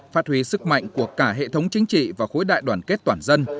phát huy sức mạnh của cả hệ thống chính trị và khối đại đoàn kết toàn dân